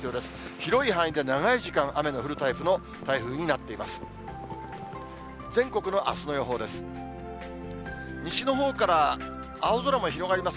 広い範囲で長い時間、雨の降るタイプの台風になっています。